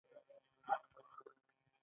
هغه په داخلي او خارجي بانکونو کې پیسې لري